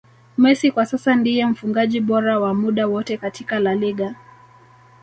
Messi kwa sasa ndiye mfungaji bora wa muda wote katika La Liga